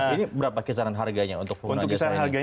ini berapa kisaran harganya untuk pengguna jasa ini